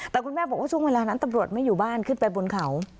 แต่คุณแม่บอกว่าช่วงเวลานั้นตำรวจไม่อยู่บ้านขึ้นไปบนเขา